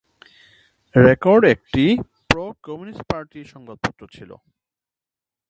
Record একটি pro communist party সংবাদপত্র ছিল।